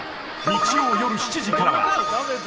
日曜夜７時からは］